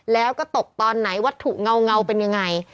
แล้วก็ตกตอนไหนวัตถุเงาเป็นยังไง